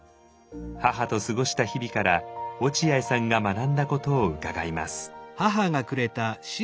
母と過ごした日々から落合さんが学んだことを伺います。